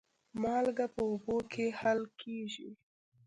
مالګه په اوبو کې حل کېږي.